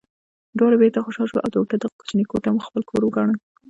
دواړه بېرته خوشحاله شوو او د هوټل دغه کوچنۍ کوټه مو خپل کور وګاڼه.